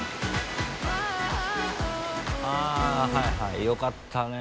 あっはいはいよかったね